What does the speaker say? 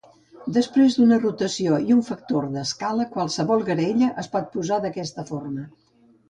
Després d'una rotació i un factor d'escala, qualsevol graella es pot posar d'aquesta forma.